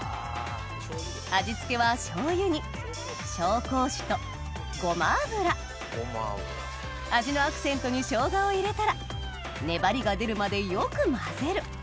味付けは醤油に味のアクセントにショウガを入れたら粘りが出るまでよく混ぜる